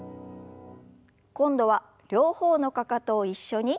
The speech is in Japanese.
今度は両方のかかとを一緒に。